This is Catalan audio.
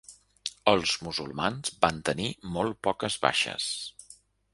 Els musulmans van tenir molt poques baixes.